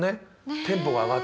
テンポが上がってきて。